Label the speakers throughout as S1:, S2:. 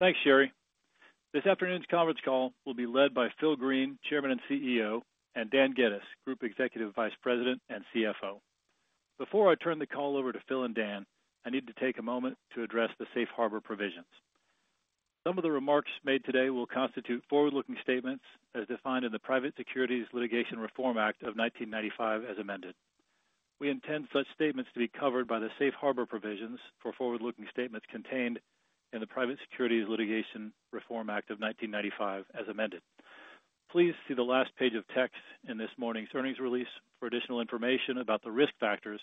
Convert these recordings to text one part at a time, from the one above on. S1: Thanks, Sherry. This afternoon's conference call will be led by Phil Green, Chairman and CEO, and Dan Geddes, Group Executive Vice President and CFO. Before I turn the call over to Phil and Dan, I need to take a moment to address the Safe Harbor provisions. Some of the remarks made today will constitute forward-looking statements as defined in the Private Securities Litigation Reform Act of 1995 as amended. We intend such statements to be covered by the Safe Harbor provisions for forward-looking statements contained in the Private Securities Litigation Reform Act of 1995 as amended. Please see the last page of text in this morning's earnings release for additional information about the risk factors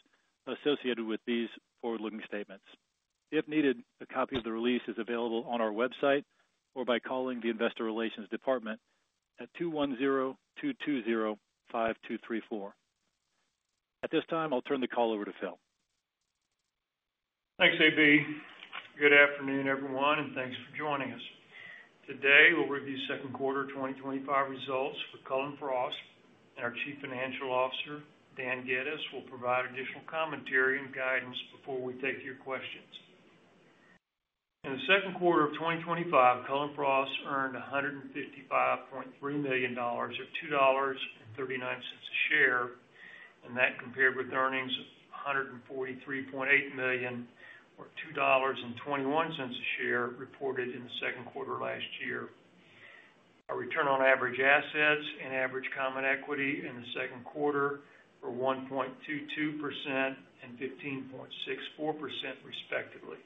S1: associated with these forward-looking statements. If needed, a copy of the release is available on our website or by calling the Investor Relations Department at 210-220-5234. At this time, I'll turn the call over to Phil.
S2: Thanks, A.B. Good afternoon, everyone, and thanks for joining us. Today, we'll review second quarter 2025 results for Cullen/Frost, and our Chief Financial Officer, Dan Geddes, will provide additional commentary and guidance before we take your questions. In the second quarter of 2025, Cullen/Frost earned $155.3 million or $2.39 a share, and that compared with earnings of $143.8 million or $2.21 a share reported in the second quarter last year. Our return on average assets and average common equity in the second quarter were 1.22% and 15.64%, respectively,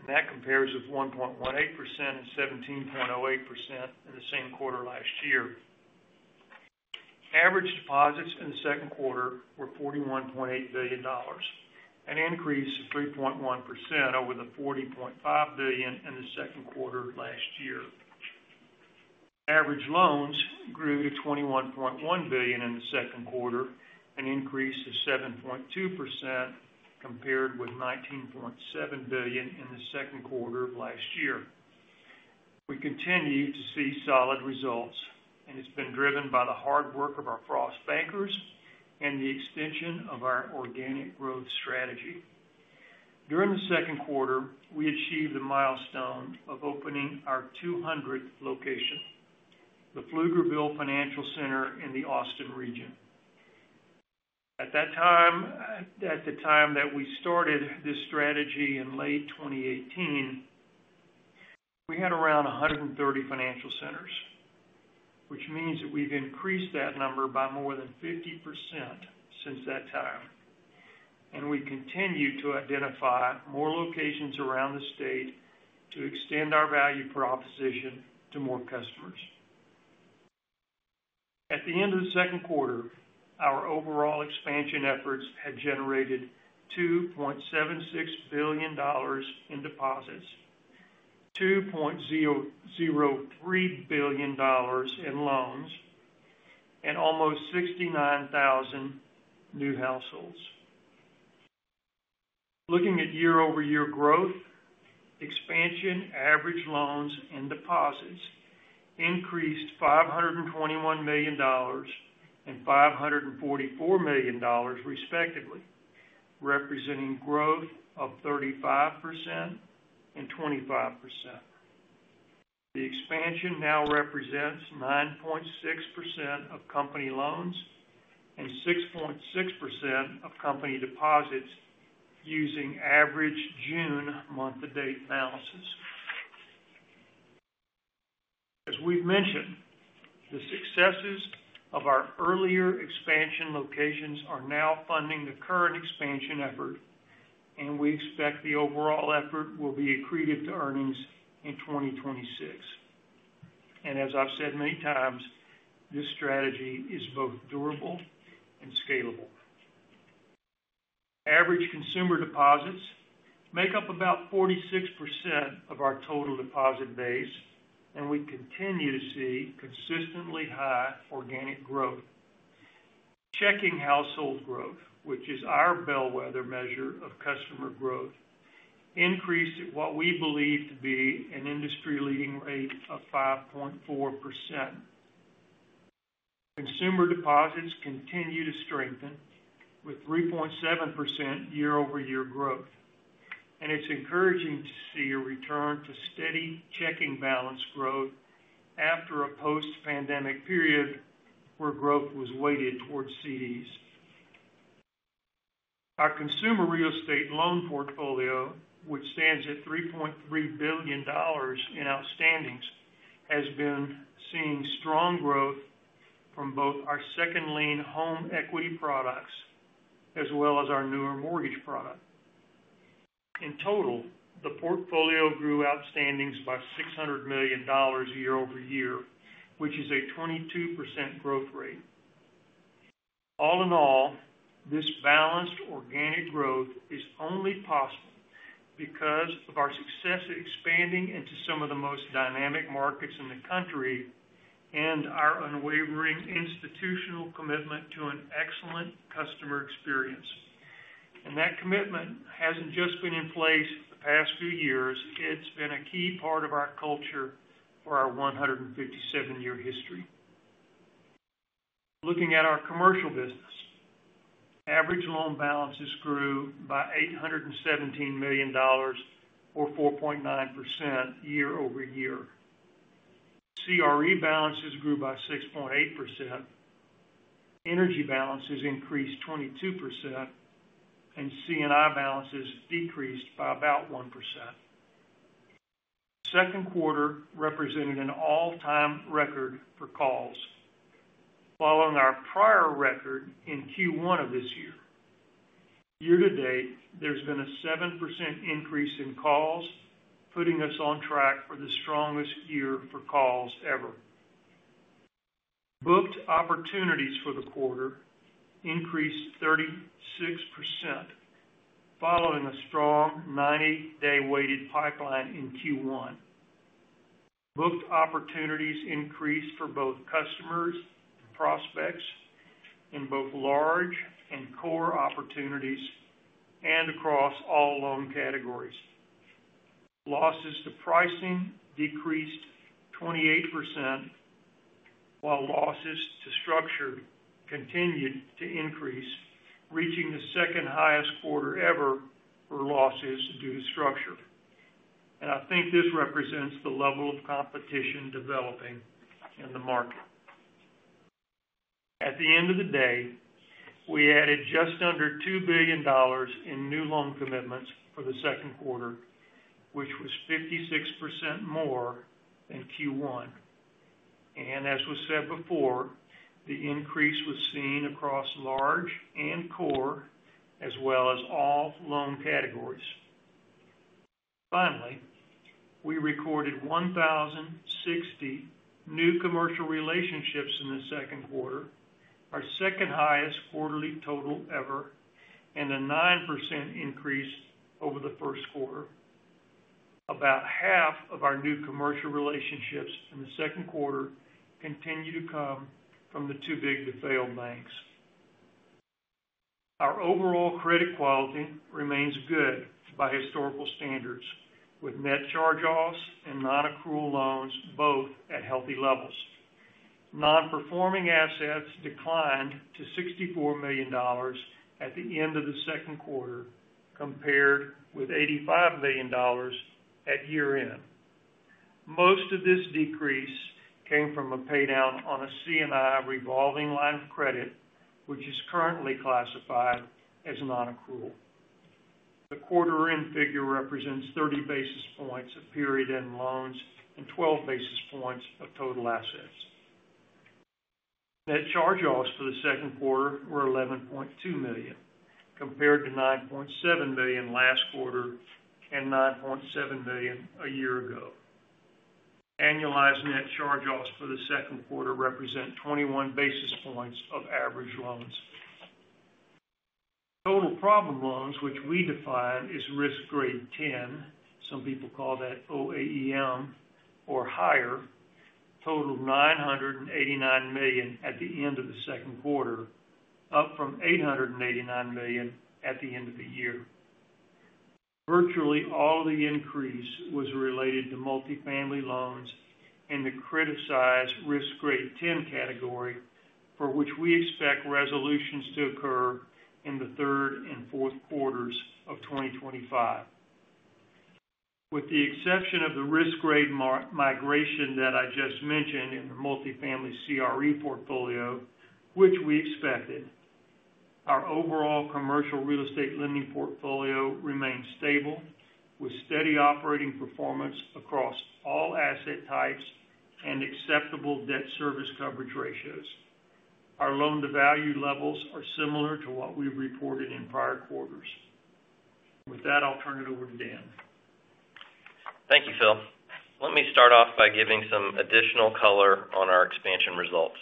S2: and that compares with 1.18% and 17.08% in the same quarter last year. Average deposits in the second quarter were $41.8 billion, an increase of 3.1% over the $40.5 billion in the second quarter last year. Average loans grew to $21.1 billion in the second quarter, an increase of 7.2% compared with $19.7 billion in the second quarter of last year. We continue to see solid results, and it's been driven by the hard work of our Frost Bankers and the extension of our organic growth strategy. During the second quarter, we achieved the milestone of opening our 200th location, the Pflugerville Financial Center in the Austin region. At the time that we started this strategy in late 2018, we had around 130 financial centers, which means that we've increased that number by more than 50% since that time, and we continue to identify more locations around the state to extend our value proposition to more customers. At the end of the second quarter, our overall expansion efforts had generated $2.76 billion in deposits, $2.003 billion in loans, and almost 69,000 new households. Looking at year-over-year growth, expansion, average loans, and deposits increased $521 million and $544 million, respectively, representing growth of 35% and 25%. The expansion now represents 9.6% of company loans and 6.6% of company deposits using average June month-to-date analysis. As we've mentioned, the successes of our earlier expansion locations are now funding the current expansion effort, and we expect the overall effort will be accretive to earnings in 2026. As I've said many times, this strategy is both durable and scalable. Average consumer deposits make up about 46% of our total deposit base, and we continue to see consistently high organic growth. Checking household growth, which is our bellwether measure of customer growth, increased at what we believe to be an industry-leading rate of 5.4%. Consumer deposits continue to strengthen with 3.7% year-over-year growth, and it's encouraging to see a return to steady checking balance growth after a post-pandemic period where growth was weighted towards CDs. Our consumer real estate loan portfolio, which stands at $3.3 billion in outstandings, has been seeing strong growth from both our second lien home equity products as well as our newer mortgage products. In total, the portfolio grew outstandings by $600 million year-over-year, which is a 22% growth rate. All in all, this balanced organic growth is only possible because of our success expanding into some of the most dynamic markets in the country and our unwavering institutional commitment to an excellent customer experience. That commitment hasn't just been in place the past few years, it's been a key part of our culture for our 157-year history. Looking at our commercial business, average loan balances grew by $817 million or 4.9% year-over-year. CRE balances grew by 6.8%, energy balances increased 22%, and C&I balances decreased by about 1%. The second quarter represented an all-time record for calls, following our prior record in Q1 of this year. Year to date, there's been a 7% increase in calls, putting us on track for the strongest year for calls ever. Booked opportunities for the quarter increased 36%, following a strong 90-day weighted pipeline in Q1. Booked opportunities increased for both customers and prospects in both large and core opportunities and across all loan categories. Losses to pricing decreased 28%, while losses to structure continued to increase, reaching the second highest quarter ever for losses due to structure. I think this represents the level of competition developing in the market. At the end of the day, we added just under $2 billion in new loan commitments for the second quarter, which was 56% more than Q1. As was said before, the increase was seen across large and core as well as all loan categories. Finally, we recorded 1,060 new commercial relationships in the second quarter, our second highest quarterly total ever, and a 9% increase over the first quarter. About half of our new commercial relationships in the second quarter continue to come from the too big to fail banks. Our overall credit quality remains good by historical standards, with net charge-offs and non-accrual loans both at healthy levels. Non-performing assets declined to $64 million at the end of the second quarter, compared with $85 million at year-end. Most of this decrease came from a paydown on a C&I revolving line of credit, which is currently classified as non-accrual. The quarter-end figure represents 30 basis points of period-end loans and 12 basis points of total assets. Net charge-offs for the second quarter were $11.2 million, compared to $9.7 million last quarter and $9.7 million a year ago. Annualized net charge-offs for the second quarter represent 21 basis points of average loans. Total problem loans, which we define as risk grade 10, some people call that OAEM or higher, totaled $989 million at the end of the second quarter, up from $889 million at the end of the year. Virtually all of the increase was related to multifamily loans in the criticized risk grade 10 category, for which we expect resolutions to occur in the third and fourth quarters of 2025. With the exception of the risk grade migration that I just mentioned in the multifamily commercial real estate loan portfolio, which we expected, our overall commercial real estate lending portfolio remains stable, with steady operating performance across all asset types and acceptable debt service coverage ratios. Our loan-to-value levels are similar to what we've reported in prior quarters. With that, I'll turn it over to Dan.
S3: Thank you, Phil. Let me start off by giving some additional color on our expansion results.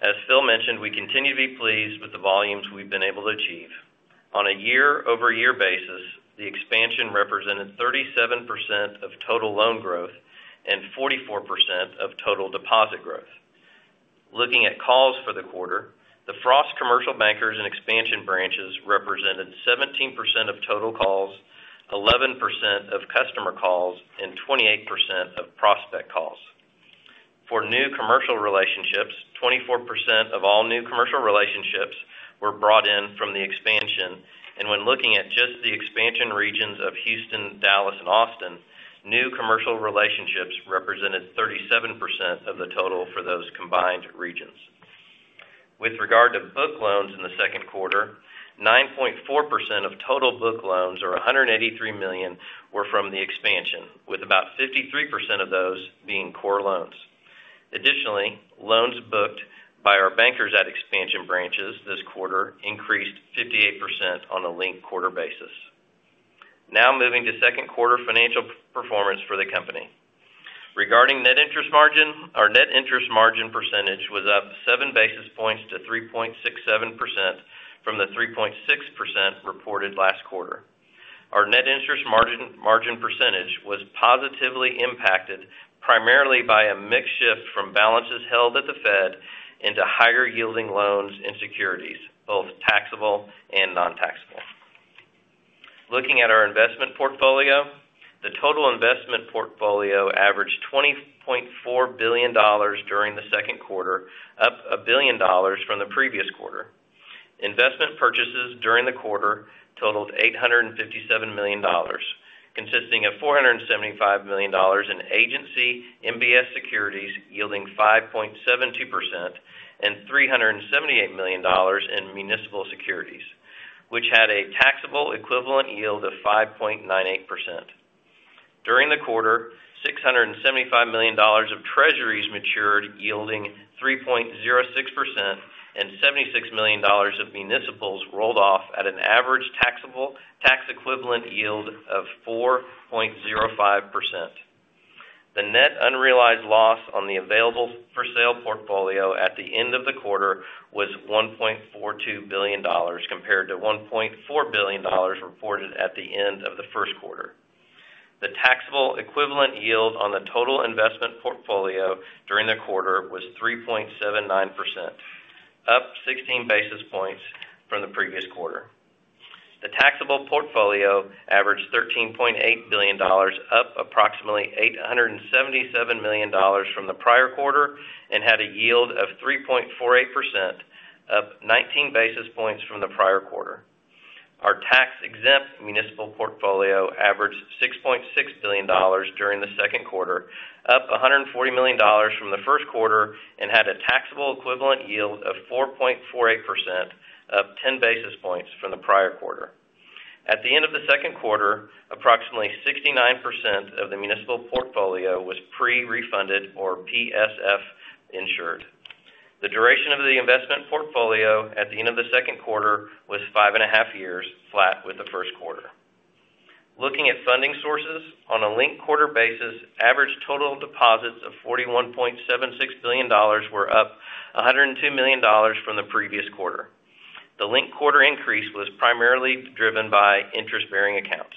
S3: As Phil mentioned, we continue to be pleased with the volumes we've been able to achieve. On a year-over-year basis, the expansion represented 37% of total loan growth and 44% of total deposit growth. Looking at calls for the quarter, the Frost Commercial Bankers and expansion branches represented 17% of total calls, 11% of customer calls, and 28% of prospect calls. For new commercial relationships, 24% of all new commercial relationships were brought in from the expansion. When looking at just the expansion regions of Houston, Dallas, and Austin, new commercial relationships represented 37% of the total for those combined regions. With regard to booked loans in the second quarter, 9.4% of total booked loans, or $183 million, were from the expansion, with about 53% of those being core loans. Additionally, loans booked by our bankers at expansion branches this quarter increased 58% on a linked quarter basis. Now moving to second quarter financial performance for the company. Regarding net interest margin, our net interest margin percentage was up 7 basis points to 3.67% from the 3.6% reported last quarter. Our net interest margin percentage was positively impacted primarily by a mix shift from balances held at the Fed into higher-yielding loans and securities, both taxable and non-taxable. Looking at our investment portfolio, the total investment portfolio averaged $20.4 billion during the second quarter, up $1 billion from the previous quarter. Investment purchases during the quarter totaled $857 million, consisting of $475 million in agency MBS securities yielding 5.72% and $378 million in municipal securities, which had a taxable equivalent yield of 5.98%. During the quarter, $675 million of treasuries matured, yielding 3.06%, and $76 million of municipals rolled off at an average taxable equivalent yield of 4.05%. The net unrealized loss on the available for sale portfolio at the end of the quarter was $1.42 billion, compared to $1.4 billion reported at the end of the first quarter. The taxable equivalent yield on the total investment portfolio during the quarter was 3.79%, up 16 basis points from the previous quarter. The taxable portfolio averaged $13.8 billion, up approximately $877 million from the prior quarter, and had a yield of 3.48%, up 19 basis points from the prior quarter. Our tax-exempt municipal portfolio averaged $6.6 billion during the second quarter, up $140 million from the first quarter, and had a taxable equivalent yield of 4.48%, up 10 basis points from the prior quarter. At the end of the second quarter, approximately 69% of the municipal portfolio was pre-refunded or PSF-insured. The duration of the investment portfolio at the end of the second quarter was five and a half years, flat with the first quarter. Looking at funding sources, on a linked quarter basis, average total deposits of $41.76 billion were up $102 million from the previous quarter. The linked quarter increase was primarily driven by interest-bearing accounts.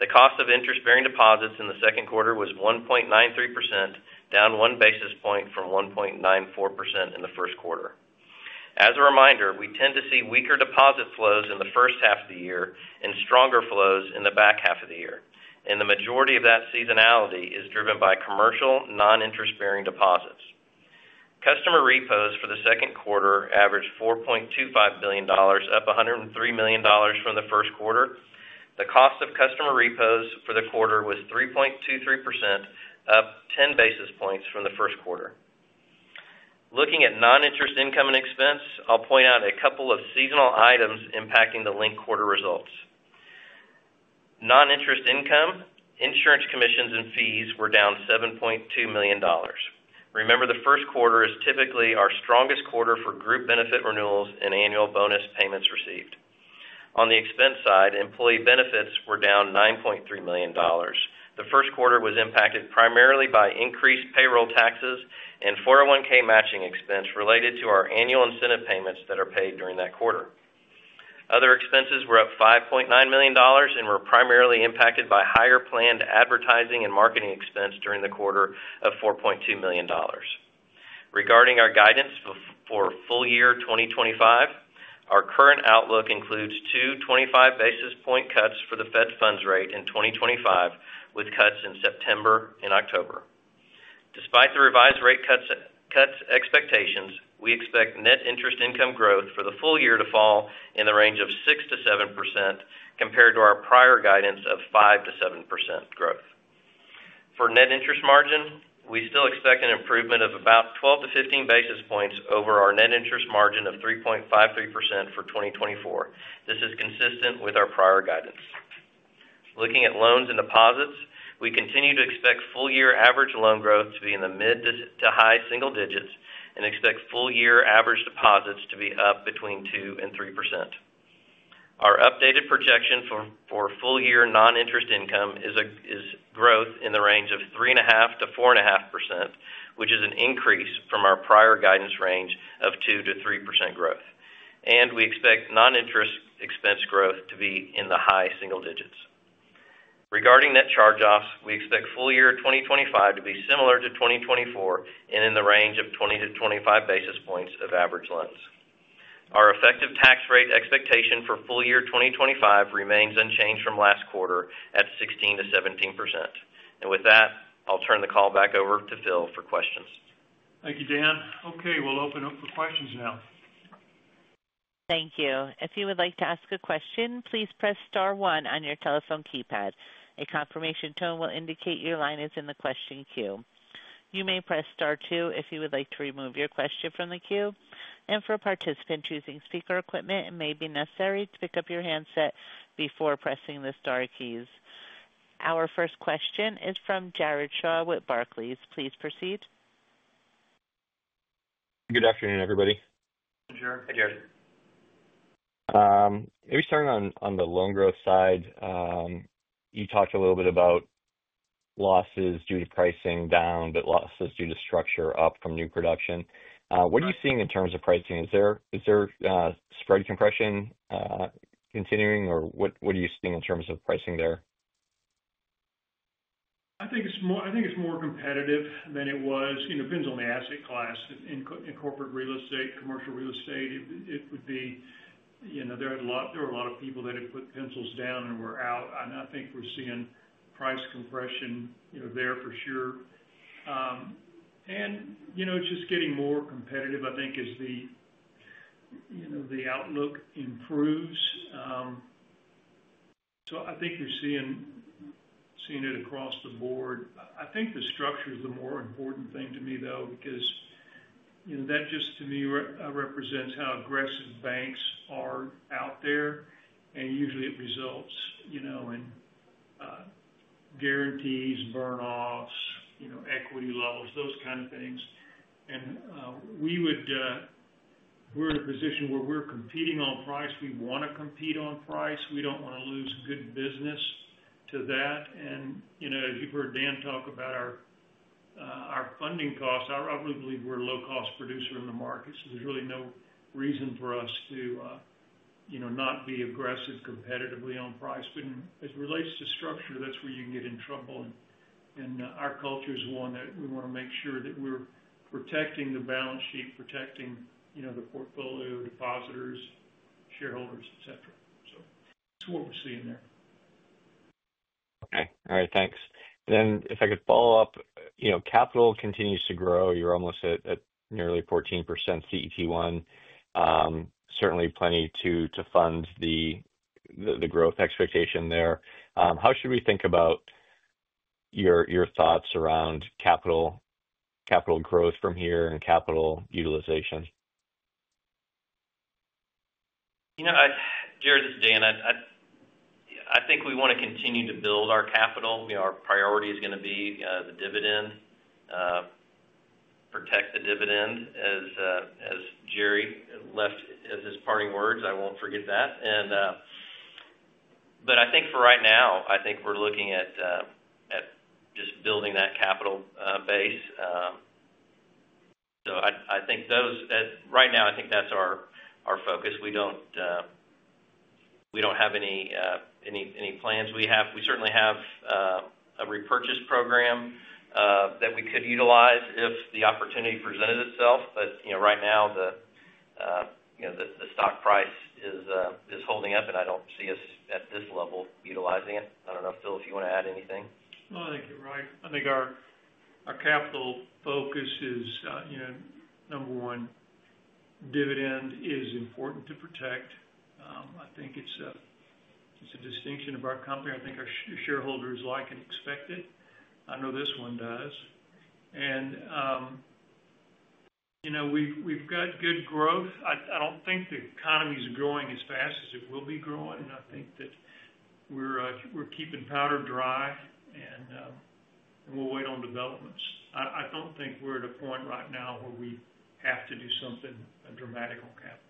S3: The cost of interest-bearing deposits in the second quarter was 1.93%, down one basis point from 1.94% in the first quarter. As a reminder, we tend to see weaker deposit flows in the first half of the year and stronger flows in the back half of the year, and the majority of that seasonality is driven by commercial non-interest-bearing deposits. Customer repos for the second quarter averaged $4.25 billion, up $103 million from the first quarter. The cost of customer repos for the quarter was 3.23%, up 10 basis points from the first quarter. Looking at non-interest income and expense, I'll point out a couple of seasonal items impacting the linked quarter results. Non-interest income, insurance commissions, and fees were down $7.2 million. Remember, the first quarter is typically our strongest quarter for group benefit renewals and annual bonus payments received. On the expense side, employee benefits were down $9.3 million. The first quarter was impacted primarily by increased payroll taxes and 401(k) matching expense related to our annual incentive payments that are paid during that quarter. Other expenses were up $5.9 million and were primarily impacted by higher planned advertising and marketing expense during the quarter of $4.2 million. Regarding our guidance for full year 2025, our current outlook includes two 25 basis point cuts for the Fed funds rate in 2025, with cuts in September and October. Despite the revised rate cuts expectations, we expect net interest income growth for the full year to fall in the range of 6%-7% compared to our prior guidance of 5%-7% growth. For net interest margin, we still expect an improvement of about 12 basis points-15 basis points over our net interest margin of 3.53% for 2024. This is consistent with our prior guidance. Looking at loans and deposits, we continue to expect full-year average loan growth to be in the mid to high single digits and expect full-year average deposits to be up between 2% and 3%. Our updated projection for full-year non-interest income is growth in the range of 3.5%-4.5%, which is an increase from our prior guidance range of 2%-3% growth. We expect non-interest expense growth to be in the high single digits. Regarding net charge-offs, we expect full year 2025 to be similar to 2024 and in the range of 20 basis points-25 basis points of average loans. Our effective tax rate expectation for full year 2025 remains unchanged from last quarter at 16%-17%. With that, I'll turn the call back over to Phil for questions.
S2: Thank you, Dan. Okay, we'll open it up for questions now.
S4: Thank you. If you would like to ask a question, please press star one on your telephone keypad. A confirmation tone will indicate your line is in the question queue. You may press star two if you would like to remove your question from the queue. For participants using speaker equipment, it may be necessary to pick up your handset before pressing the star keys. Our first question is from Jared Shaw with Barclays. Please proceed.
S5: Good afternoon, everybody.
S3: Hi, Jared.
S2: Hey, Jared.
S5: Maybe starting on the loan growth side, you talked a little bit about losses due to pricing down, but losses due to structure up from new production. What are you seeing in terms of pricing? Is there spread compression continuing, or what are you seeing in terms of pricing there?
S2: I think it's more competitive than it was. It depends on the asset class. In commercial real estate, there were a lot of people that had put pencils down and were out. I think we're seeing price compression there for sure. It's just getting more competitive, I think, as the outlook improves. I think you're seeing it across the board. I think the structure is the more important thing to me, though, because that just, to me, represents how aggressive banks are out there. Usually, it results in guarantees, burnouts, equity levels, those kind of things. We're in a position where we're competing on price. We want to compete on price. We don't want to lose good business to that. As you've heard Dan talk about our funding costs, I really believe we're a low-cost producer in the market. There's really no reason for us to not be aggressive competitively on price. As it relates to structure, that's where you can get in trouble. Our culture is one that we want to make sure that we're protecting the balance sheet, protecting the portfolio, depositors, shareholders, etc. That's what we're seeing there.
S5: Okay. All right. Thanks. If I could follow up, you know, capital continues to grow. You're almost at nearly 14% CET1. Certainly, plenty to fund the growth expectation there. How should we think about your thoughts around capital growth from here and capital utilization? You know.
S3: Jared, this is Dan. I think we want to continue to build our capital. Our priority is going to be the dividend, protect the dividend, as Jerry left as his parting words. I won't forget that. For right now, I think we're looking at just building that capital base. I think that's our focus. We don't have any plans. We certainly have a repurchase program that we could utilize if the opportunity presented itself. Right now, the stock price is holding up, and I don't see us at this level utilizing it. I don't know, Phil, if you want to add anything.
S2: No, I think you're right. I think our capital focus is, you know, number one, dividend is important to protect. I think it's a distinction of our company. I think our shareholders like and expect it. I know this one does. You know, we've got good growth. I don't think the economy is growing as fast as it will be growing. I think that we're keeping powder dry, and we'll wait on developments. I don't think we're at a point right now where we have to do something dramatic on capital.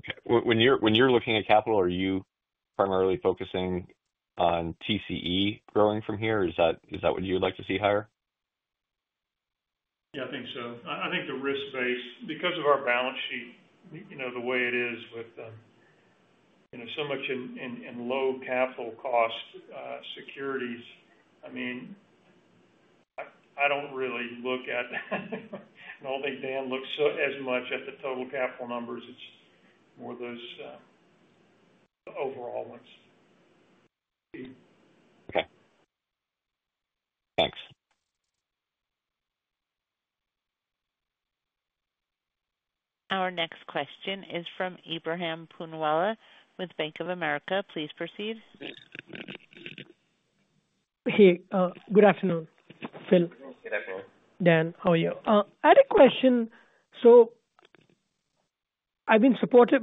S5: Okay. When you're looking at capital, are you primarily focusing on TCE growing from here? Is that what you would like to see higher?
S2: Yeah, I think so. I think the risk base, because of our balance sheet, you know, the way it is with, you know, so much in low capital cost securities, I mean, I don't really look at, and I don't think Dan looks as much at the total capital numbers. It's more of those overall ones.
S5: Okay. Thanks.
S4: Our next question is from Ebrahim Poonawala with Bank of America. Please proceed.
S6: Hey, good afternoon, Phil.
S2: Good afternoon.
S6: Dan, how are you? I had a question. I've been supportive,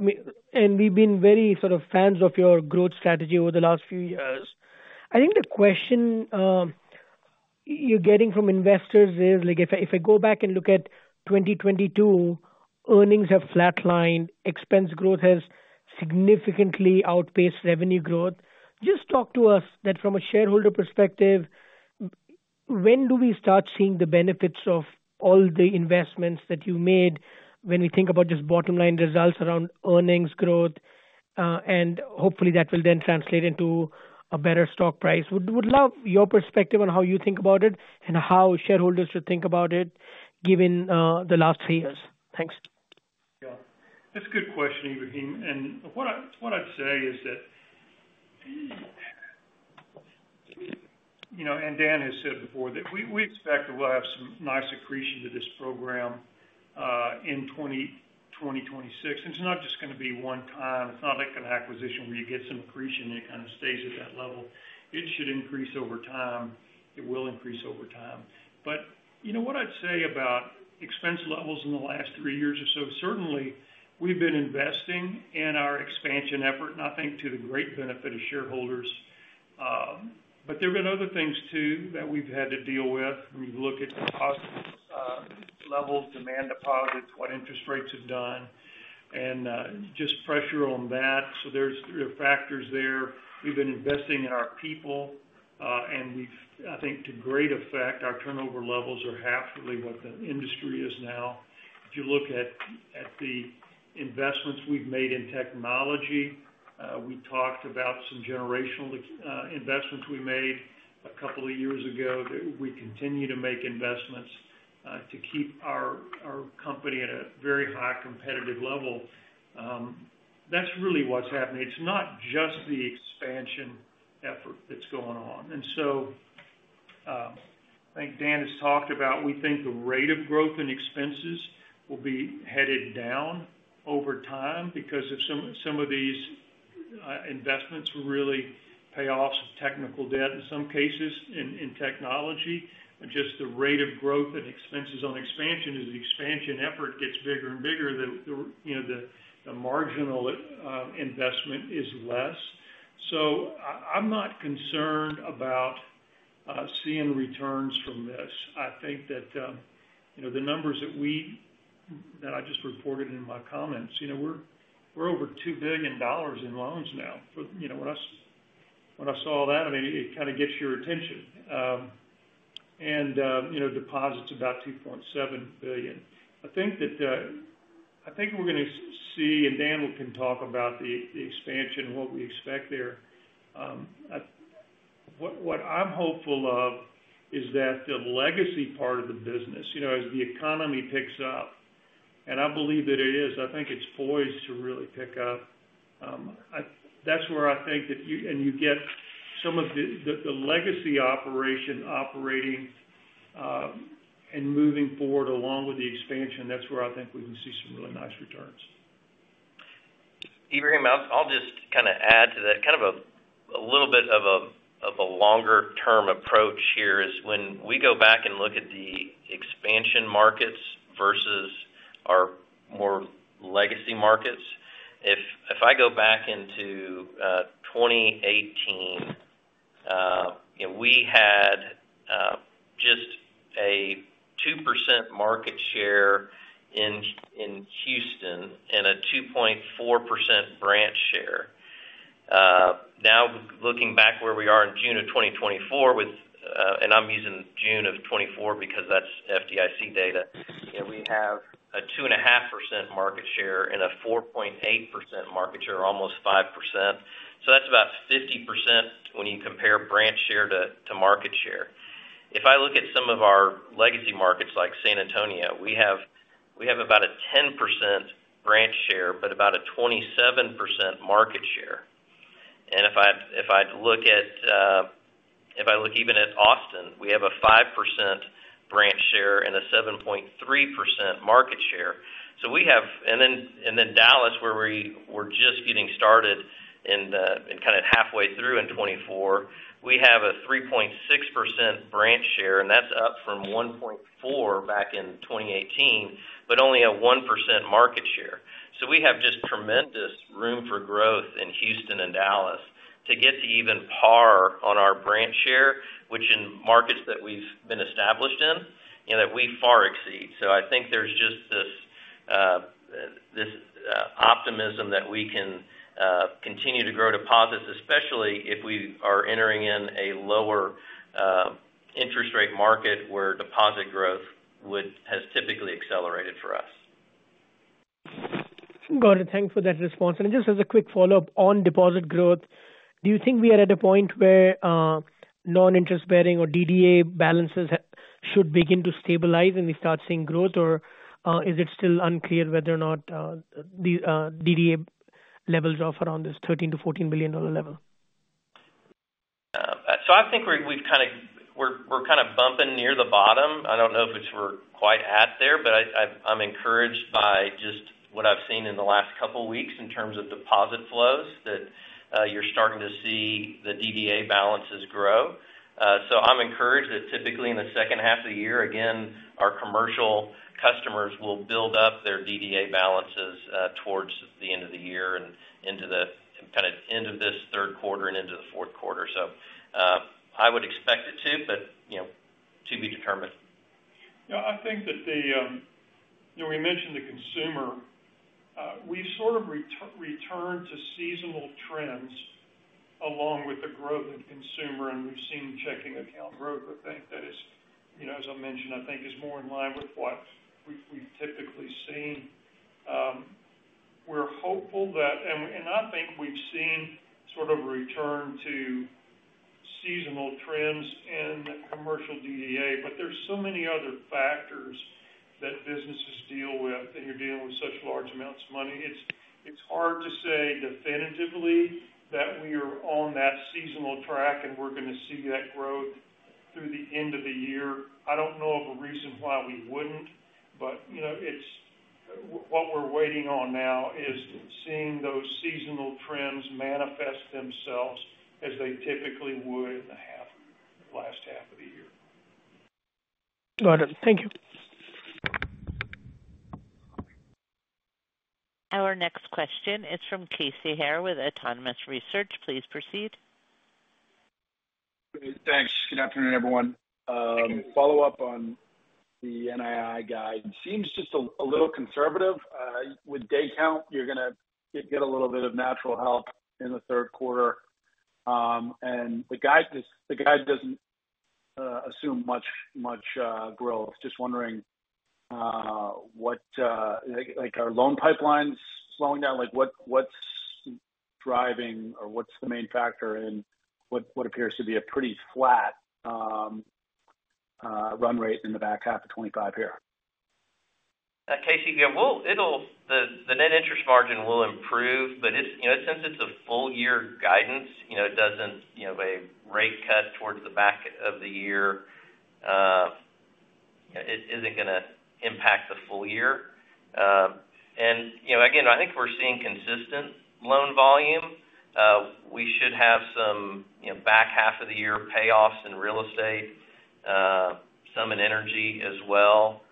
S6: and we've been very sort of fans of your growth strategy over the last few years. I think the question you're getting from investors is, if I go back and look at 2022, earnings have flatlined, expense growth has significantly outpaced revenue growth. Just talk to us from a shareholder perspective, when do we start seeing the benefits of all the investments that you made when we think about just bottom-line results around earnings growth? Hopefully, that will then translate into a better stock price. Would love your perspective on how you think about it and how shareholders should think about it given the last three years. Thanks.
S2: Sure. That's a good question, Ebrahim. What I'd say is that, you know, and Dan has said before that we expect that we'll have some nice accretion to this program in 2026. It's not just going to be one time. It's not like an acquisition where you get some accretion and it kind of stays at that level. It should increase over time. It will increase over time. What I'd say about expense levels in the last three years or so, certainly, we've been investing in our expansion effort, and I think to the great benefit of shareholders. There have been other things too that we've had to deal with when you look at deposit levels, demand deposits, what interest rates have done, and just pressure on that. There are factors there. We've been investing in our people, and we've, I think, to great effect, our turnover levels are half really what the industry is now. If you look at the investments we've made in technology, we talked about some generational investments we made a couple of years ago that we continue to make investments to keep our company at a very high competitive level. That's really what's happening. It's not just the expansion effort that's going on. I think Dan has talked about, we think the rate of growth in expenses will be headed down over time because some of these investments really pay off some technical debt in some cases in technology, and just the rate of growth in expenses on expansion as the expansion effort gets bigger and bigger, the marginal investment is less. I'm not concerned about seeing returns from this. I think that, you know, the numbers that we that I just reported in my comments, you know, we're over $2 billion in loans now. For, you know, when I saw that, I mean, it kind of gets your attention. Deposits about $2.7 billion. I think that, I think we're going to see, and Dan can talk about the expansion and what we expect there. What I'm hopeful of is that the legacy part of the business, you know, as the economy picks up, and I believe that it is, I think it's poised to really pick up. That's where I think that you, and you get some of the legacy operation operating, and moving forward along with the expansion. That's where I think we can see some really nice returns.
S3: Ebrahim, I'll just add to that, a little bit of a longer-term approach here is when we go back and look at the expansion markets versus our more legacy markets. If I go back into 2018, we had just a 2% market share in Houston and a 2.4% branch share. Now, looking back where we are in June of 2024, and I'm using June of 2024 because that's FDIC data, we have a 2.5% market share and a 4.8% branch share, almost 5%. That's about 50% when you compare branch share to market share. If I look at some of our legacy markets like San Antonio, we have about a 10% branch share, but about a 27% market share. If I look even at Austin, we have a 5% branch share and a 7.3% market share. Then Dallas, where we were just getting started and kind of halfway through in 2024, we have a 3.6% branch share, and that's up from 1.4% back in 2018, but only a 1% market share. We have just tremendous room for growth in Houston and Dallas to get to even par on our branch share, which in markets that we've been established in, we far exceed. I think there's just this optimism that we can continue to grow deposits, especially if we are entering in a lower interest rate market where deposit growth has typically accelerated for us.
S6: Thank you for that response. Just as a quick follow-up on deposit growth, do you think we are at a point where non-interest bearing or DDA balances should begin to stabilize and we start seeing growth, or is it still unclear whether or not the DDA levels are off around this $13 billion-$14 billion level?
S5: I think we're kind of bumping near the bottom. I don't know if we're quite there, but I'm encouraged by just what I've seen in the last couple of weeks in terms of deposit flows that you're starting to see the DDA balances grow. I'm encouraged that typically in the second half of the year, again, our commercial customers will build up their DDA balances towards the end of the year and into the end of this third quarter and into the fourth quarter. I would expect it to, but you know, to be determined.
S2: Yeah, I think that, you know, we mentioned the consumer. We've sort of returned to seasonal trends along with the growth in consumer, and we've seen checking account growth that is, you know, as I mentioned, more in line with what we've typically seen. We're hopeful that, and I think we've seen sort of a return to seasonal trends in the commercial DDA, but there are so many other factors that businesses deal with, and you're dealing with such large amounts of money. It's hard to say definitively that we are on that seasonal track and we're going to see that growth through the end of the year. I don't know of a reason why we wouldn't, but what we're waiting on now is seeing those seasonal trends manifest themselves as they typically would in the last half of the year.
S6: Got it. Thank you.
S4: Our next question is from Casey Haire with Autonomous Research. Please proceed.
S7: Thanks. Good afternoon, everyone. Follow-up on the NII guide. It seems just a little conservative. With day count, you're going to get a little bit of natural help in the third quarter, and the guide doesn't assume much growth. Just wondering, like, are loan pipelines slowing down? What's driving or what's the main factor in what appears to be a pretty flat run rate in the back half of 2025 here?
S3: Casey, yeah, the net interest margin will improve, but it's, you know, since it's a full-year guidance, it doesn't, you know, a rate cut towards the back of the year isn't going to impact the full year. I think we're seeing consistent loan volume. We should have some back half of the year payoffs in real estate, some in energy as well.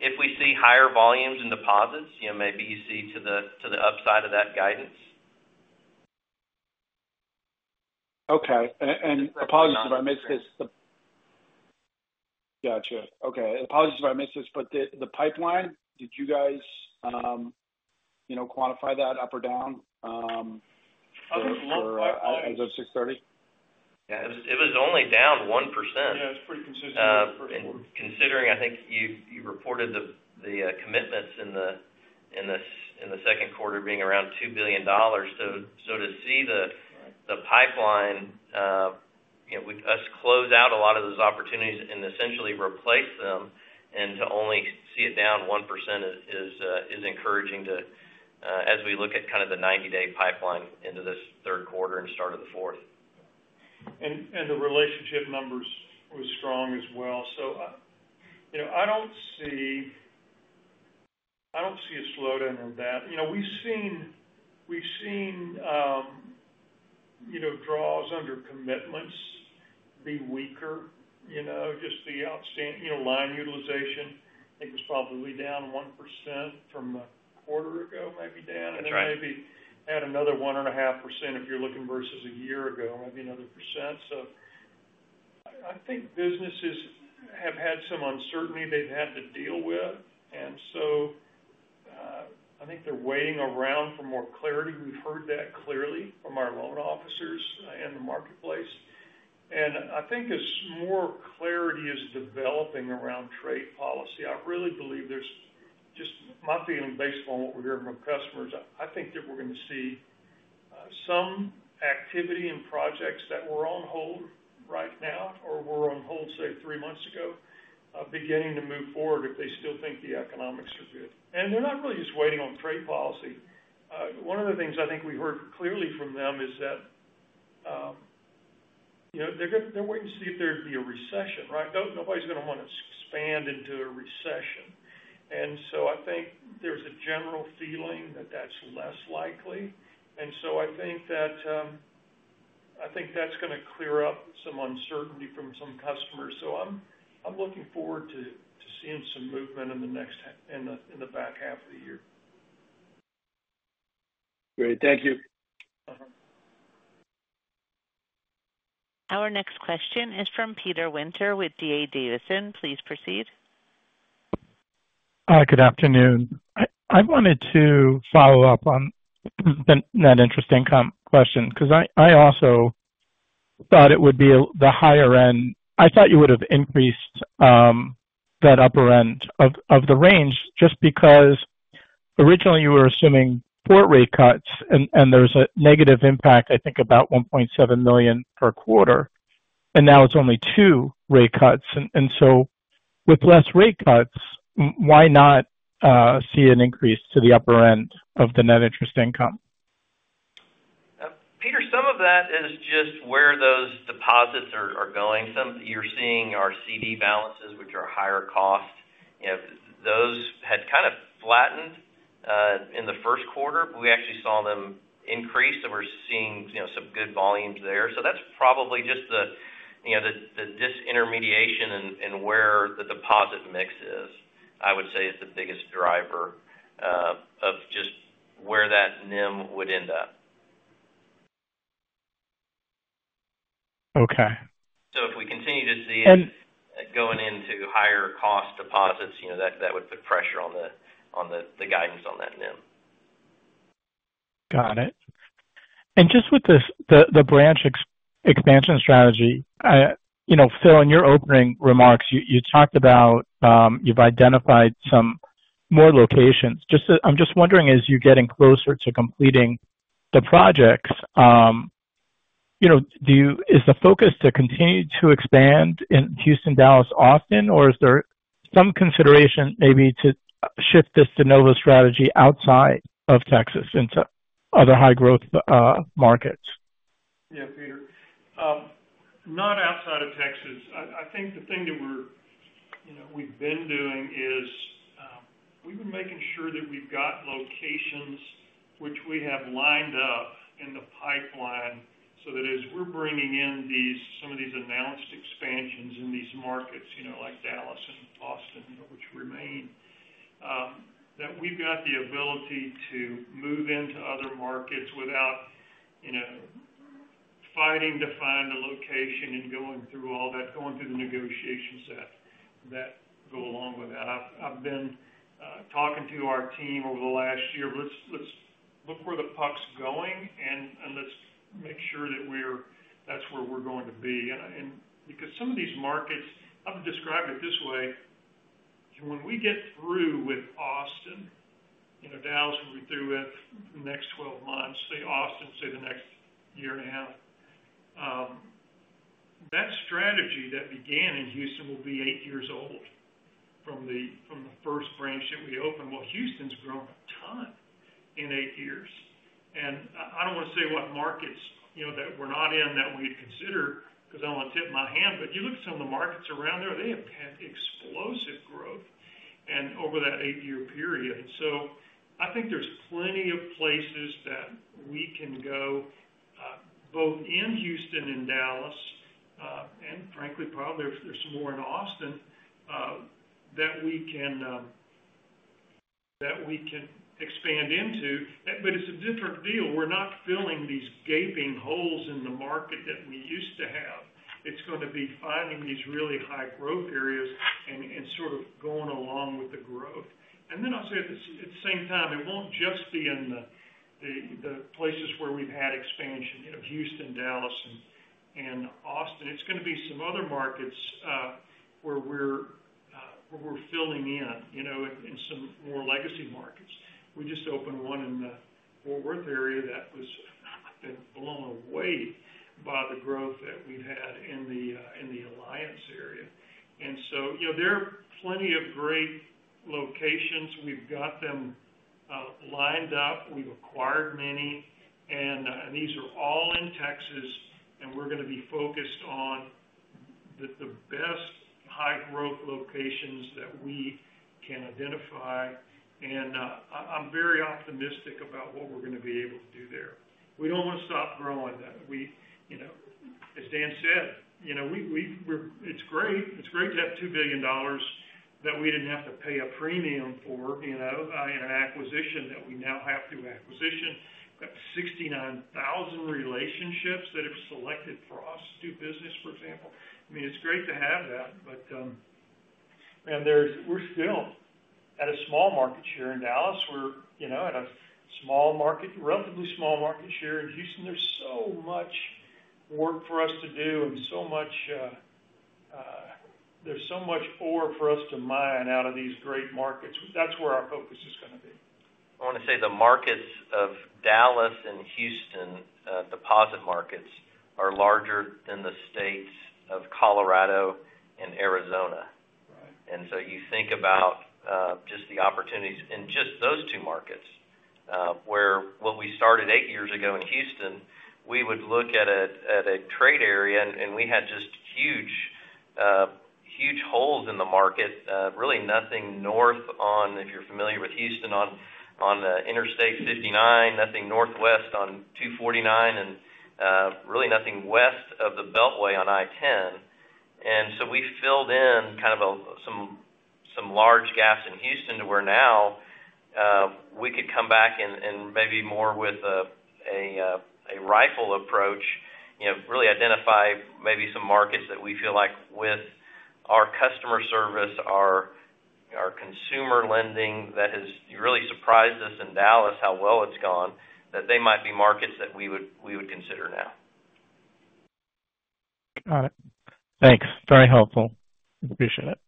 S3: If we see higher volumes in deposits, maybe you see to the upside of that guidance.
S7: Okay. Apologies if I missed this. Gotcha. Apologies if I missed this, but the pipeline, did you guys quantify that up or down as of 6/30?
S3: Yeah, it was only down 1%.
S7: Yeah, it was pretty consistent for.
S3: Considering, I think you reported the commitments in the second quarter being around $2 billion. To see the pipeline, with us close out a lot of those opportunities and essentially replace them and to only see it down 1% is encouraging as we look at kind of the 90-day pipeline into this third quarter and start of the fourth.
S2: The relationship numbers were strong as well. I don't see a slowdown in that. We've seen draws under commitments be weaker, just the outstanding line utilization. I think it was probably down 1% from a quarter ago, maybe, Dan, and then maybe add another 1.5% if you're looking versus a year ago, maybe another percent. I think businesses have had some uncertainty they've had to deal with. I think they're waiting around for more clarity. We've heard that clearly from our loan officers in the marketplace. I think as more clarity is developing around trade policy, I really believe, just my feeling based upon what we're hearing from customers, that we're going to see some activity in projects that were on hold right now or were on hold, say, three months ago, beginning to move forward if they still think the economics are good. They're not really just waiting on trade policy. One of the things I think we heard clearly from them is that they're waiting to see if there'd be a recession, right? Nobody's going to want to expand into a recession. I think there's a general feeling that that's less likely. I think that's going to clear up some uncertainty from some customers. I'm looking forward to seeing some movement in the back half of the year.
S7: Great. Thank you.
S4: Our next question is from Peter Winter with D.A. Davidson. Please proceed.
S8: Hi, good afternoon. I wanted to follow up on that interest income question because I also thought it would be the higher end. I thought you would have increased that upper end of the range just because originally you were assuming four rate cuts, and there's a negative impact, I think, about $1.7 million per quarter. Now it's only two rate cuts. With less rate cuts, why not see an increase to the upper end of the net interest income?
S3: Peter, some of that is just where those deposits are going. Some you're seeing are CD balances, which are higher cost. You know, those had kind of flattened in the first quarter, but we actually saw them increase, and we're seeing some good volumes there. That's probably just the disintermediation and where the deposit mix is. I would say it's the biggest driver of just where that NIM would end up.
S8: Okay.
S3: If we continue to see it going into higher cost deposits, that would put pressure on the guidance on that NIM.
S8: Got it. With the branch expansion strategy, Phil, in your opening remarks, you talked about you've identified some more locations. I'm just wondering, as you're getting closer to completing the projects, is the focus to continue to expand in Houston, Dallas, Austin, or is there some consideration maybe to shift this de novo strategy outside of Texas into other high-growth markets?
S2: Yeah, Peter. Not outside of Texas. I think the thing that we're, you know, we've been doing is we've been making sure that we've got locations which we have lined up in the pipeline so that as we're bringing in these, some of these announced expansions in these markets, you know, like Dallas and Austin, which remain, that we've got the ability to move into other markets without fighting to find a location and going through all that, going through the negotiations that go along with that. I've been talking to our team over the last year, let's look where the puck's going, and let's make sure that we're, that's where we're going to be. Because some of these markets, I've described it this way, and when we get through with Austin, you know, Dallas will be through with the next 12 months, say Austin, say the next year and a half, that strategy that began in Houston will be eight years old from the first branch that we opened. Houston's grown a ton in eight years. I don't want to say what markets, you know, that we're not in that we consider because I don't want to tip my hand, but you look at some of the markets around there, they have had explosive growth over that eight-year period. I think there's plenty of places that we can go, both in Houston and Dallas, and frankly, probably there's some more in Austin, that we can expand into. It's a different deal. We're not filling these gaping holes in the market that we used to have. It's going to be finding these really high-growth areas and sort of going along with the growth. I'll say at the same time, it won't just be in the places where we've had expansion, you know, Houston, Dallas, and Austin. It's going to be some other markets where we're filling in, you know, in some more legacy markets. We just opened one in the Fort Worth area that was, I think, blown away by the growth that we've had in the Alliance area. There are plenty of great locations. We've got them lined up. We've acquired many. These are all in Texas, and we're going to be focused on the best high-growth locations that we can identify. I'm very optimistic about what we're going to be able to do there. We don't want to stop growing. We, you know, as Dan said, you know, it's great. It's great to have $2 billion that we didn't have to pay a premium for in an acquisition that we now have to acquisition. We've got 69,000 relationships that have selected for us to do business, for example. I mean, it's great to have that, but we're still at a small market share in Dallas. We're at a relatively small market share in Houston. There's so much work for us to do and so much, there's so much ore for us to mine out of these great markets. That's where our focus is going to be.
S3: I want to say the markets of Dallas and Houston, deposit markets are larger than the states of Colorado and Arizona. Right. You think about just the opportunities in just those two markets, where what we started eight years ago in Houston, we would look at a trade area, and we had just huge, huge holes in the market, really nothing north on, if you're familiar with Houston, on the Interstate 59, nothing northwest on 249, and really nothing west of the Beltway on I-10. We filled in some large gaps in Houston to where now, we could come back and maybe more with a rifle approach, really identify maybe some markets that we feel like with our customer service, our consumer lending that has really surprised us in Dallas how well it's gone, that they might be markets that we would consider now.
S8: Got it. Thanks. Very helpful. Appreciate it.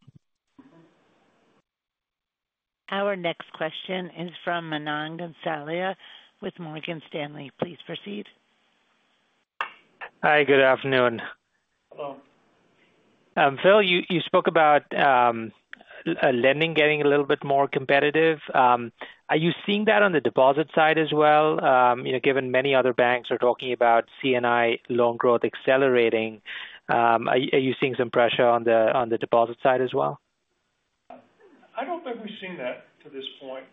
S4: Our next question is from Manan Gosalia with Morgan Stanley. Please proceed.
S9: Hi, good afternoon.
S2: Hello.
S9: Phil, you spoke about lending getting a little bit more competitive. Are you seeing that on the deposit side as well? You know, given many other banks are talking about C&I loan growth accelerating, are you seeing some pressure on the deposit side as well?
S2: I don't think we've seen that to this point.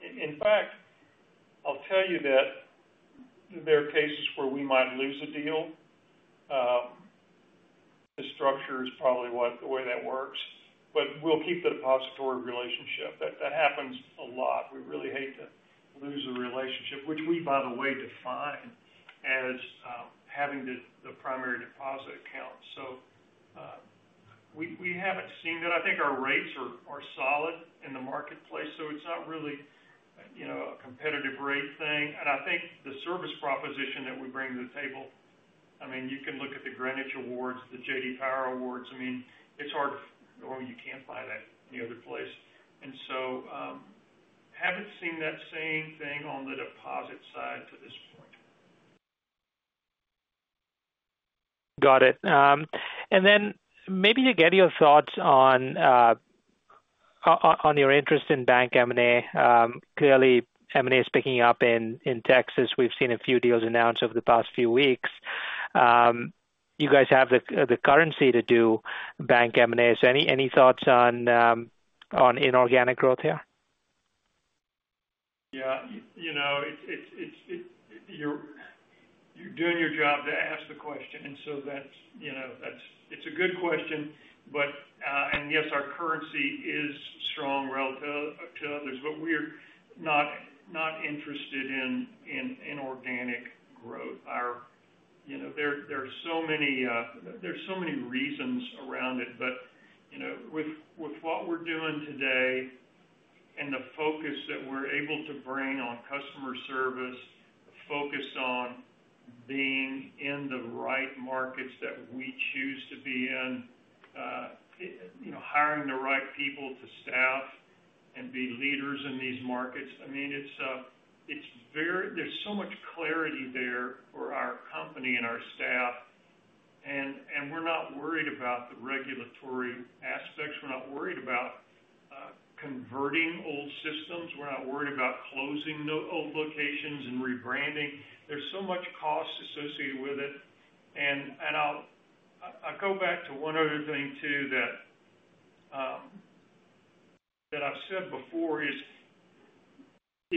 S2: In fact, I'll tell you that there are cases where we might lose a deal. The structure is probably what, the way that works, but we'll keep the depository relationship. That happens a lot. We really hate to lose the relationship, which we, by the way, define as having the primary deposit account. We haven't seen that. I think our rates are solid in the marketplace. It's not really a competitive rate thing. I think the service proposition that we bring to the table, you can look at the Greenwich Awards, the J.D. Power Awards. It's hard to, you can't buy that in any other place. I haven't seen that same thing on the deposit side to this point.
S9: Got it. Maybe to get your thoughts on your interest in bank M&A. Clearly, M&A is picking up in Texas. We've seen a few deals announced over the past few weeks. You guys have the currency to do bank M&A. Any thoughts on inorganic growth here?
S2: Yeah. It's a good question. Yes, our currency is strong relative to others, but we're not interested in inorganic growth. There are so many reasons around it. With what we're doing today and the focus that we're able to bring on customer service, the focus on being in the right markets that we choose to be in, hiring the right people to staff and be leaders in these markets, there's so much clarity there for our company and our staff. We're not worried about the regulatory aspects. We're not worried about converting old systems. We're not worried about closing the old locations and rebranding. There's so much cost associated with it. I'll go back to one other thing too that I've said before: if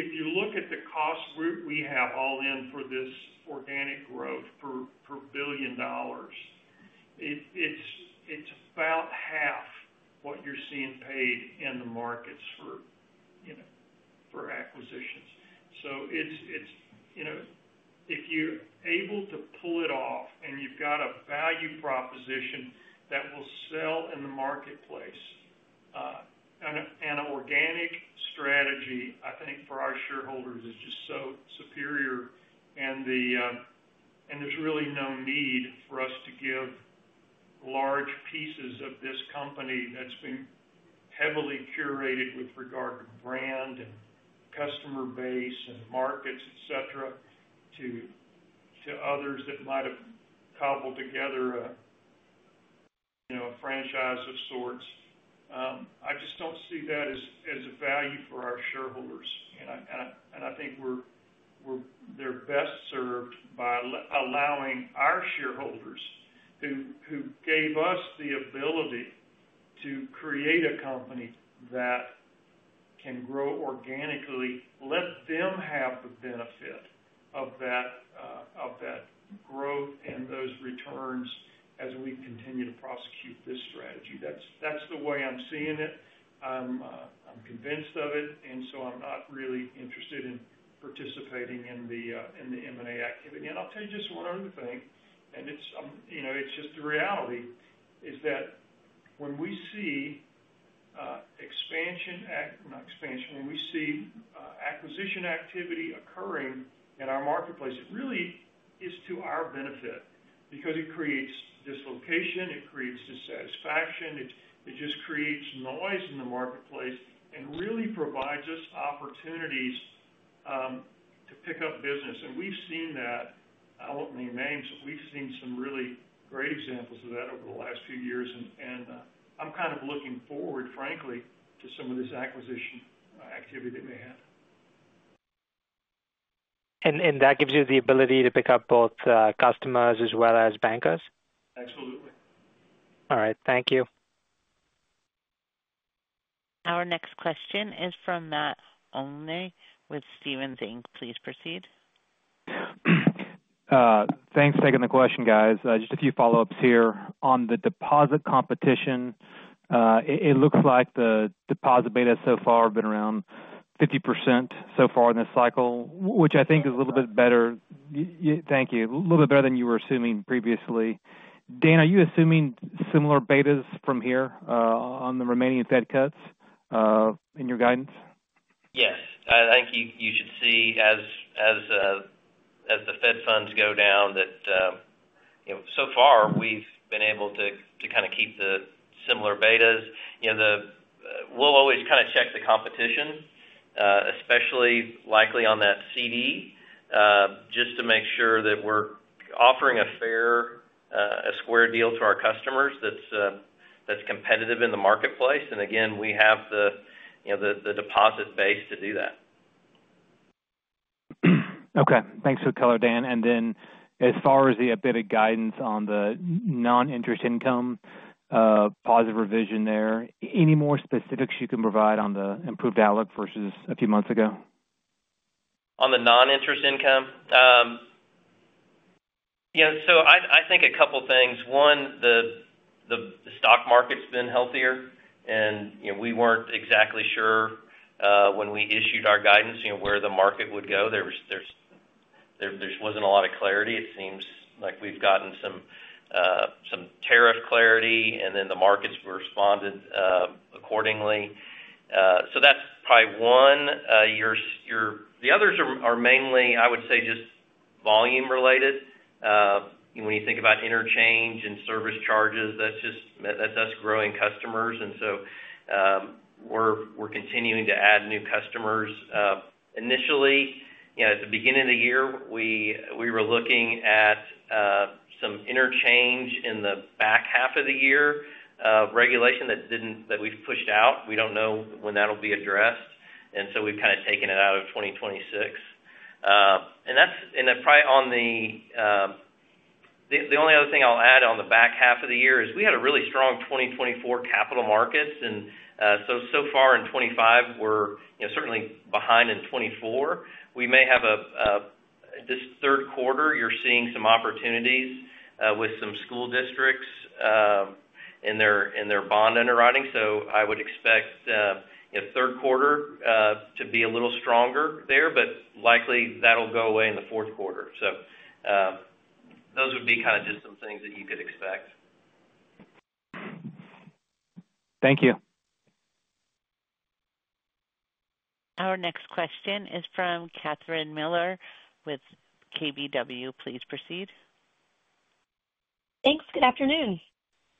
S2: you look at the cost route we have all in for this organic growth for $1 billion, it's about half what you're seeing paid in the markets for acquisitions. If you're able to pull it off and you've got a value proposition that will sell in the marketplace, an organic strategy, I think for our shareholders, is just so superior. There's really no need for us to give large pieces of this company that's been heavily curated with regard to brand and customer base and markets, etc., to others that might have cobbled together a franchise of sorts. I just don't see that as a value for our shareholders. I think they're best served by allowing our shareholders who gave us the ability to create a company that can grow organically, let them have the benefit of that growth and those returns as we continue to prosecute this strategy. That's the way I'm seeing it. I'm convinced of it. I'm not really interested in participating in the M&A activity. I'll tell you just one other thing. It's just the reality that when we see acquisition activity occurring in our marketplace, it really is to our benefit because it creates dislocation. It creates dissatisfaction. It just creates noise in the marketplace and really provides us opportunities to pick up business. We've seen that. I won't name names, but we've seen some really great examples of that over the last few years. I'm kind of looking forward, frankly, to some of this acquisition activity that may happen.
S9: That gives you the ability to pick up both customers as well as bankers?
S2: Absolutely.
S9: All right. Thank you.
S4: Our next question is from Matthew Olney with Stephens Inc. Please proceed.
S10: Thanks for taking the question, guys. Just a few follow-ups here on the deposit competition. It looks like the deposit beta so far has been around 50% so far in this cycle, which I think is a little bit better. Thank you. A little bit better than you were assuming previously. Dan, are you assuming similar betas from here, on the remaining Fed rate cuts, in your guidance?
S3: Yes. I think you should see as the Fed funds go down that, you know, so far, we've been able to kind of keep the similar betas. We always kind of check the competition, especially likely on that CD, just to make sure that we're offering a fair, a square deal to our customers that's competitive in the marketplace. We have the, you know, the deposit base to do that.
S10: Okay. Thanks for the color, Dan. As far as the updated guidance on the non-interest income, positive revision there, any more specifics you can provide on the improved outlook versus a few months ago?
S3: On the non-interest income, I think a couple of things. One, the stock market's been healthier. We weren't exactly sure, when we issued our guidance, where the market would go. There wasn't a lot of clarity. It seems like we've gotten some tariff clarity, and then the markets responded accordingly. That's probably one. The others are mainly, I would say, just volume-related. When you think about interchange and service charges, that's just us growing customers. We're continuing to add new customers. Initially, at the beginning of the year, we were looking at some interchange in the back half of the year, regulation that we've pushed out. We don't know when that'll be addressed. We've kind of taken it out of 2026. The only other thing I'll add on the back half of the year is we had a really strong 2024 capital markets. So far in 2025, we're certainly behind in 2024. We may have, this third quarter, you're seeing some opportunities with some school districts in their bond underwriting. I would expect third quarter to be a little stronger there, but likely that'll go away in the fourth quarter. Those would be just some things that you could expect.
S10: Thank you.
S4: Our next question is from Catherine Mealor with KBW. Please proceed.
S11: Thanks. Good afternoon.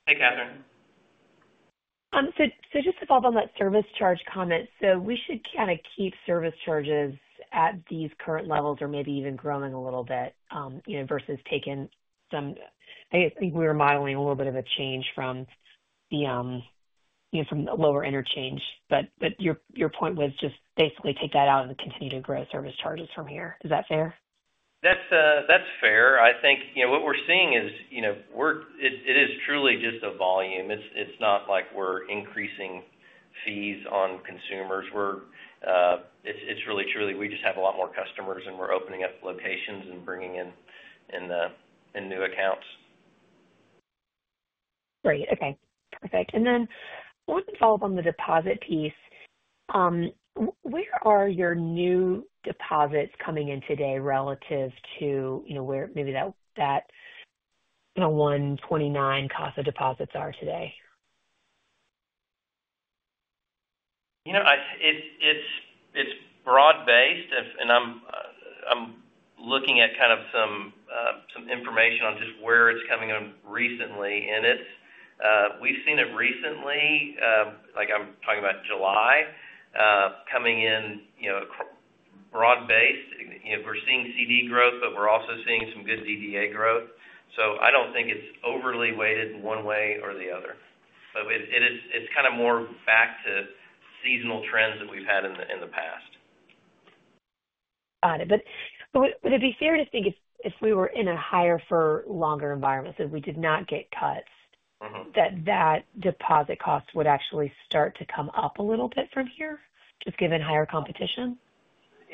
S3: Hey, Catherine.
S11: Just to follow up on that service charge comment, we should kind of keep service charges at these current levels or maybe even growing a little bit, you know, versus taking some, I guess, I think we were modeling a little bit of a change from the lower interchange. Your point was just basically take that out and continue to grow service charges from here. Is that fair?
S3: That's fair. I think what we're seeing is, you know, it is truly just a volume. It's not like we're increasing fees on consumers. It's really, truly, we just have a lot more customers, and we're opening up locations and bringing in new accounts.
S11: Great. Okay. Perfect. I wanted to follow up on the deposit piece. Where are your new deposits coming in today relative to, you know, where maybe that $1.29 cost of deposits is today? You know, I.
S3: It's broad-based. I'm looking at some information on just where it's coming in recently. We've seen it recently, like I'm talking about July, coming in across broad-based. We're seeing CD growth, but we're also seeing some good DDA growth. I don't think it's overly weighted in one way or the other. It is kind of more back to seasonal trends that we've had in the past.
S11: Got it. Would it be fair to think if we were in a higher-for-longer environment, so we did not get cuts, that deposit cost would actually start to come up a little bit from here, just given higher competition?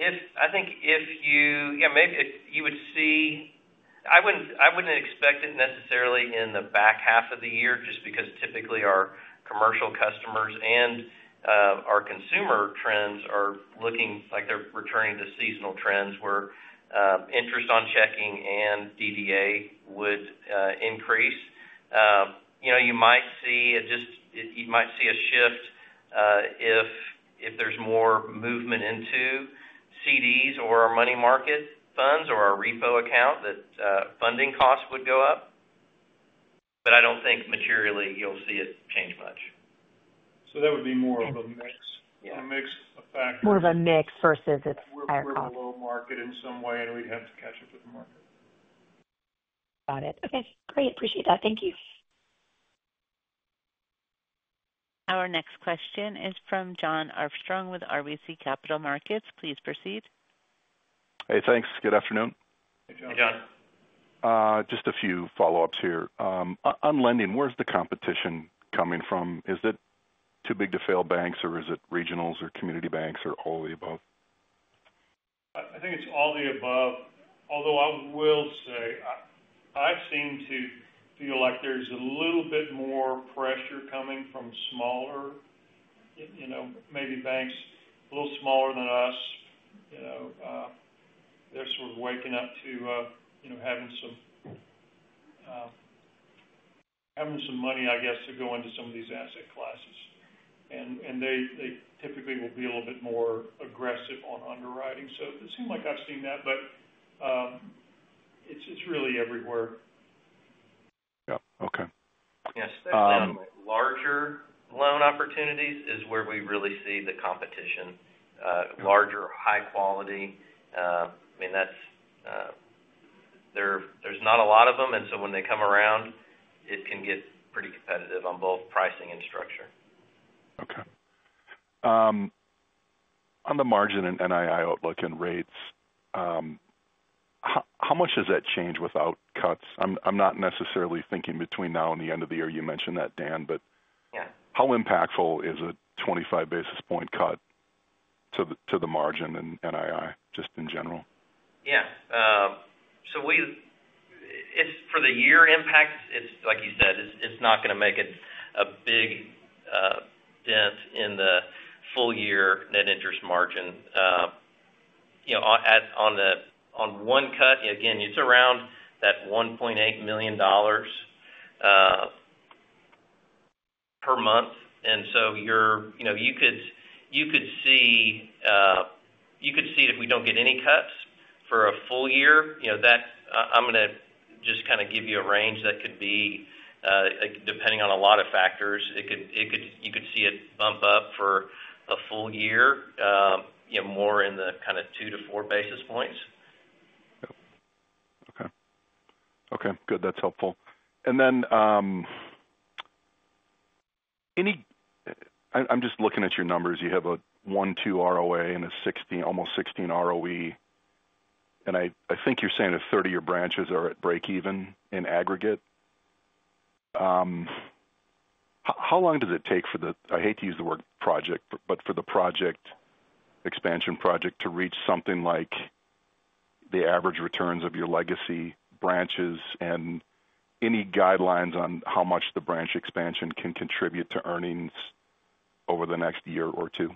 S3: I think if you, yeah, maybe if you would see, I wouldn't expect it necessarily in the back half of the year just because typically our commercial customers and our consumer trends are looking like they're returning to seasonal trends where interest on checking and DDA would increase. You know, you might see a shift if there's more movement into CDs or our money market funds or our repo account that funding costs would go up. I don't think materially you'll see it change much.
S2: That would be more of a mix.
S3: Yeah.
S2: A mix of factors.
S11: More of a mix versus its higher cost.
S2: We're in a low market in some way, and we'd have to catch up with the market.
S11: Got it. Okay. Great. Appreciate that. Thank you.
S4: Our next question is from Jon Arfstrom with RBC Capital Markets. Please proceed.
S12: Hey, thanks. Good afternoon.
S3: Hey, John.
S5: Hey, John.
S12: Just a few follow-ups here. On lending, where's the competition coming from? Is it too big to fail banks, or is it regionals or community banks or all of the above?
S2: I think it's all the above. Although I will say, I seem to feel like there's a little bit more pressure coming from smaller, you know, maybe banks a little smaller than us. They're sort of waking up to having some money, I guess, to go into some of these asset classes. They typically will be a little bit more aggressive on underwriting. It doesn't seem like I've seen that, but it's really everywhere.
S12: Yeah. Okay.
S3: Yes. Larger loan opportunities is where we really see the competition. Larger, high quality. I mean, there's not a lot of them, and so when they come around, it can get pretty competitive on both pricing and structure.
S12: Okay, on the margin and NII outlook and rates, how much does that change without cuts? I'm not necessarily thinking between now and the end of the year. You mentioned that, Dan, but yeah, how impactful is a 25 basis point cut to the margin and NII just in general?
S3: Yeah, so for the year impact, it's like you said, it's not going to make a big dent in the full-year net interest margin. You know, on one cut, again, it's around that $1.8 million per month. You could see it if we don't get any cuts for a full year. I'm going to just kind of give you a range that could be, depending on a lot of factors. You could see it bump up for a full year, more in the kind of two to four basis points.
S12: Okay. Good. That's helpful. I'm just looking at your numbers. You have a 1.2% ROA and a 16%, almost 16% ROE. I think you're saying the 30-year branches are at break-even in aggregate. How long does it take for the, I hate to use the word project, but for the expansion project to reach something like the average returns of your legacy branches, and any guidelines on how much the branch expansion can contribute to earnings over the next year or two?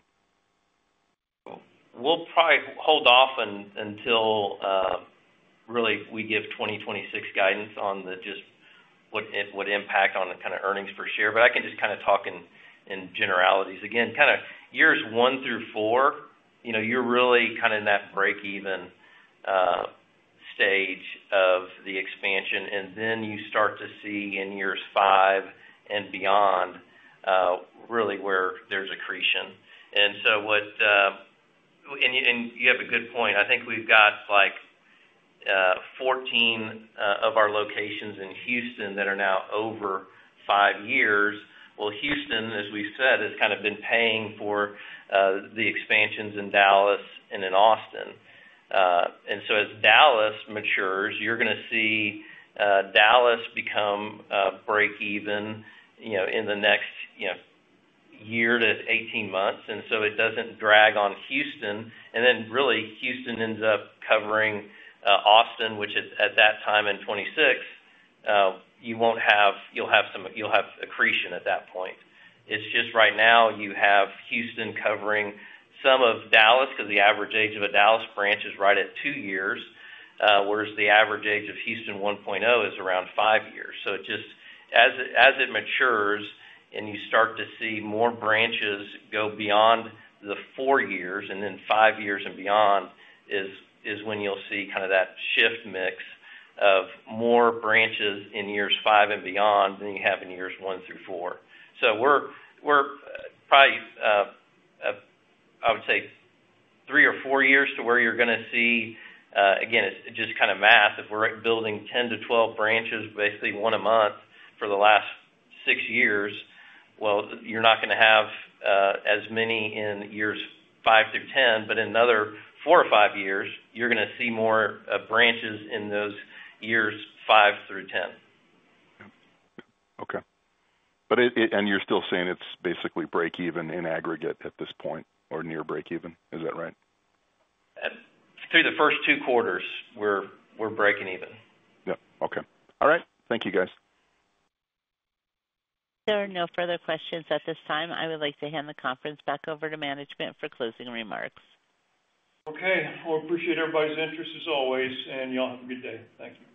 S3: We'll probably hold off until we give 2026 guidance on just what impact on the kind of earnings per share. I can just talk in generalities. Again, years one through four, you're really in that break-even stage of the expansion. Then you start to see in years five and beyond, really where there's accretion. You have a good point. I think we've got 14 of our locations in Houston that are now over five years. Houston, as we've said, has been paying for the expansions in Dallas and in Austin. As Dallas matures, you're going to see Dallas become break-even in the next year to 18 months. It doesn't drag on Houston. Then Houston ends up covering Austin, which at that time in 2026, you'll have some accretion at that point. Right now you have Houston covering some of Dallas because the average age of a Dallas branch is right at two years, whereas the average age of Houston 1.0 is around five years. As it matures and you start to see more branches go beyond the four years, then five years and beyond is when you'll see that shift mix of more branches in years five and beyond than you have in years one through four. We're probably, I would say, three or four years to where you're going to see, again, it's just kind of math. If we're building 10-12 branches, basically one a month for the last six years, you're not going to have as many in years five through 10. In another four or five years, you're going to see more branches in those years five through 10.
S12: Okay. You're still saying it's basically break-even in aggregate at this point or near break-even. Is that right?
S3: Through the first two quarters, we're breaking even.
S12: Okay. All right. Thank you, guys.
S4: There are no further questions at this time. I would like to hand the conference back over to management for closing remarks.
S2: Okay. I appreciate everybody's interest as always, and y'all have a good day. Thank you.